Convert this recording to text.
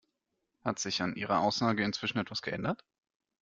Hat sich an Ihrer Aussage inzwischen etwas geändert?